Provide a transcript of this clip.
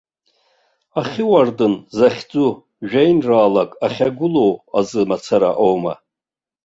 Ахьы уардын захьӡу жәеинраалак ахьагәылоу азы мацара аума?